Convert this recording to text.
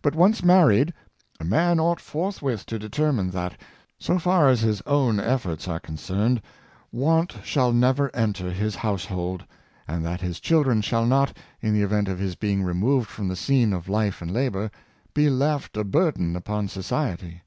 But, once married, a man ought forthwith to determine that, so far as his own ef forts are concerned, want shall never enter his house hold ; and that his children shall not, in the event of his being removed from the scene of life and labor, be left a burden upon society.